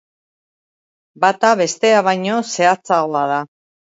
Bata bestea baino zehatzagoa da.